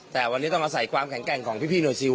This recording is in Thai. แต่วันนี้ต้องอาศัยความแข็งแกร่งของพี่หน่วยซิล